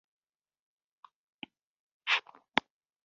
Jesuo vokis mian nomon.